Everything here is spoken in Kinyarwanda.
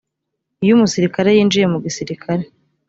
iyo umusirikare yinjiye mu gisirikare